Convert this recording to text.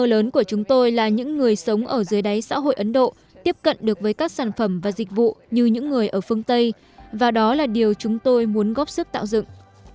lớn của chúng tôi là những người sống ở dưới đáy xã hội ấn độ tiếp cận được với các sản phẩm và dịch vụ như những người ở phương tây và đó là điều chúng tôi muốn góp sức tạo dựng